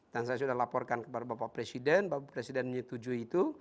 dan saya sudah laporkan kepada bapak presiden bapak presiden ini tujuh itu